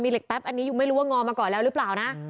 เหล็กแป๊บอันนี้ยังไม่รู้ว่างอมาก่อนแล้วหรือเปล่านะ